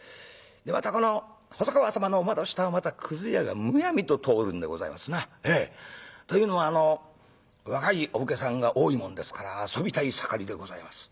でまたこの細川様のお窓下はくず屋がむやみと通るんでございますな。というのは若いお武家さんが多いもんですから遊びたい盛りでございます。